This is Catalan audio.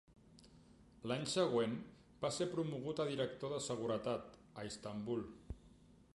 L'any següent va ser promogut a director de seguretat, a Istanbul.